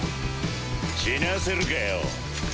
死なせるかよ。